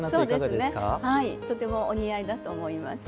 とてもお似合いだと思います。